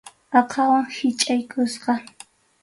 Aqhawan hichʼaykusqa.